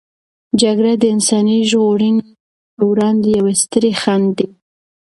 جګړه د انساني ژغورنې په وړاندې یوې سترې خنډ دی.